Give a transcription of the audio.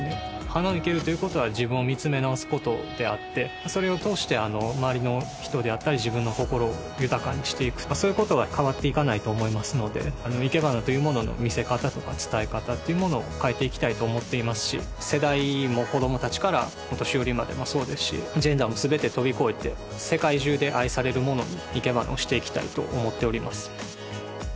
花を生けるということは自分を見つめ直すことであってそれを通して周りの人であったり自分の心を豊かにしていくそういうことは変わっていかないと思いますのでいけばなというものの見せ方とか伝え方っていうものを変えていきたいと思っていますし世代も子供たちからお年寄りまでもそうですしジェンダーも全て飛び越えて世界中で愛されるものにいけばなをしていきたいと思っております